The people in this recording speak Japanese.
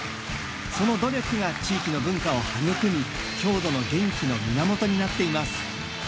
その努力が地域の文化を育み郷土の元気の源になっています。